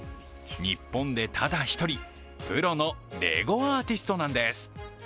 日本でただ１人、プロのレゴアーティストなんです。